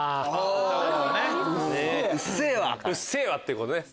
うっせぇわ！ってことね。